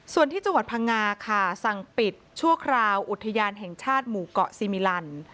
ส่วนที่จังหวัดพังงาค่ะสั่งปิดชั่วคราวอุทยานแห่งชาติหมู่เกาะซีมิลัน